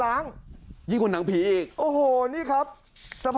อาทิตย์๑๑อาทิตย์